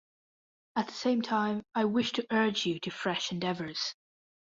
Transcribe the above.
At the same time, I wish to urge you to fresh endeavors.